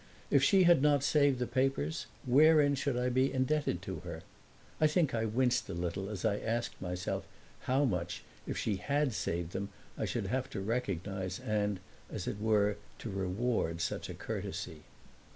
If she had not saved the papers wherein should I be indebted to her? I think I winced a little as I asked myself how much, if she HAD saved them, I should have to recognize and, as it were, to reward such a courtesy.